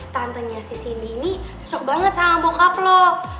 tantenya si cindy ini cocok banget sama bokap lo